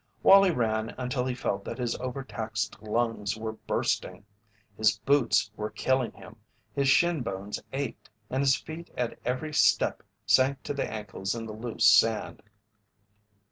Wallie ran until he felt that his overtaxed lungs were bursting. His boots were killing him, his shin bones ached, and his feet at every step sank to the ankles in the loose sand.